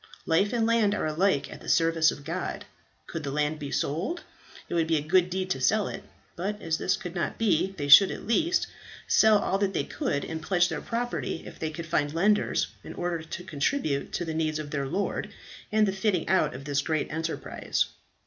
Life and land are alike at the service of God. Could the land be sold, it would be a good deed to sell it; but as this could not be, they should at least sell all that they could, and pledge their property if they could find lenders, in order to contribute to the needs of their lord, and the fitting out of this great enterprise.